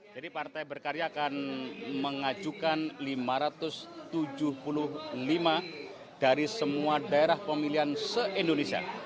jadi partai berkarya akan mengajukan lima ratus tujuh puluh lima dari semua daerah pemilihan se indonesia